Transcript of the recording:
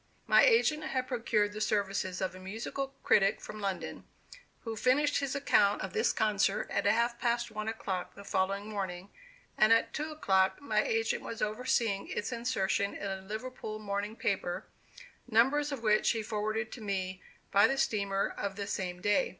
My agent had procured the services of a musical critic from London, who finished his account of this concert at half past one o'clock the following morning, and at two o'clock my agent was overseeing its insertion in a Liverpool morning paper, numbers of which he forwarded to me by the steamer of the same day.